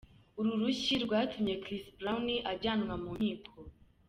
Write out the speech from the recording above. Uru rushyi rwatumye Chris Brown ajyanwa mu nkiko.